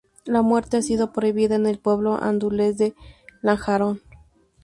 La muerte ha sido prohibida en el pueblo andaluz de Lanjarón.